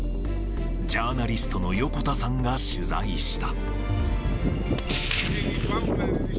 ジャーナリストの横田さんが取材した。